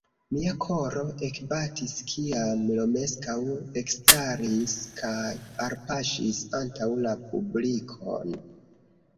Mia koro ekbatis, kiam Romeskaŭ ekstaris kaj alpaŝis antaŭ la publikon.